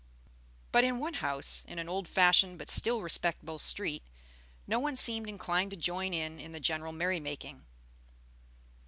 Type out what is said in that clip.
But in one house in an old fashioned but still respectable street no one seemed inclined to join in the general merry making.